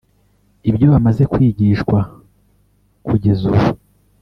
Ibyo bamaze kwigishwa kugeza ubu